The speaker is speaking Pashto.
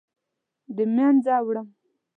د مینځه وړم